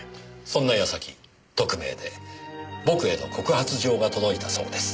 そんな矢先匿名で僕への告発状が届いたそうです。